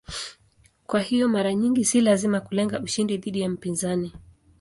Kwa hiyo mara nyingi si lazima kulenga ushindi dhidi ya mpinzani.